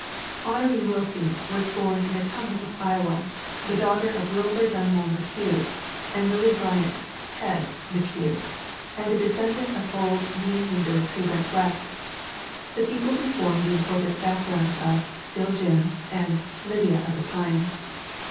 Honore Willsie was born in Ottumwa, Iowa, the daughter of William Dunbar McCue and Lilly Bryant (Head) McCue and a descendant of old New Eng landers who went West, the people who form the im portant background of Still Jim and Lydia of the Pines.